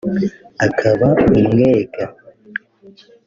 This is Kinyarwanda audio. akaba umwega